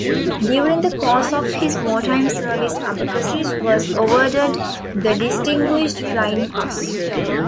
During the course of his wartime service Abecassis was awarded the Distinguished Flying Cross.